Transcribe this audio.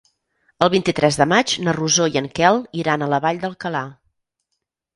El vint-i-tres de maig na Rosó i en Quel iran a la Vall d'Alcalà.